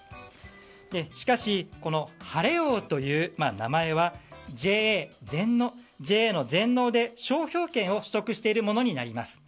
しかし、晴王という名前はＪＡの全農で商標権を取得しているものになります。